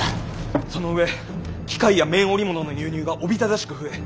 その上機械や綿織物の輸入がおびただしく増え